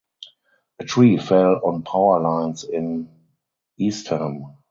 A tree fell on power lines in Eastham.